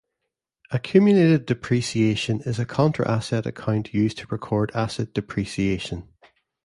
"Accumulated depreciation" is a contra-asset account used to record asset depreciation.